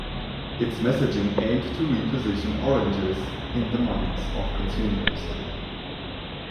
Its messaging aimed to reposition oranges in the minds of consumers.